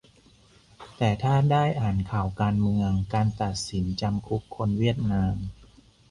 แต่ถ้าได้อ่านข่าวการเมือง การตัดสินจำคุกคนเวียดนาม